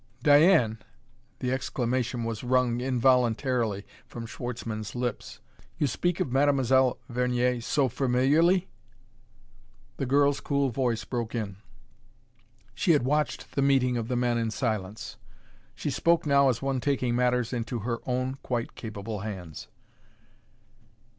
"Diane!" The exclamation was wrung involuntarily from Schwartzmann's lips. "You speak of Mademoiselle Vernier so familiarly?" The girl's cool voice broke in. She had watched the meeting of the men in silence; she spoke now as one taking matters into her own quite capable hands.